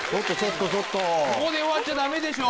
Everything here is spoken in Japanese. ここで終わっちゃダメでしょ。